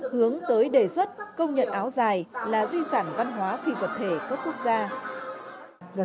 hướng tới đề xuất công nhận áo dài là di sản văn hóa phi vật thể cấp quốc gia